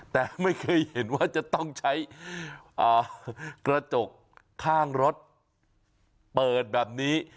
แต่ไม่เคยเห็นว่าจะต้องใช้กระจกข้างรถเปิดแบบนี้